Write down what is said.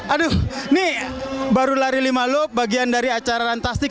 aduh nih baru lari lima loop bagian dari acara runtastic